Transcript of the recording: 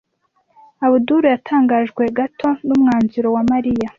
Abudul yatangajwe gato numwanzuro wa Mariya.